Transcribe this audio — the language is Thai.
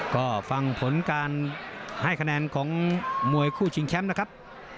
ก็ฟังผลการให้คะแนนของมวยคู่ชิงแชมป์นะครับ